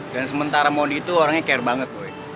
dan sementara mondi itu orangnya care banget be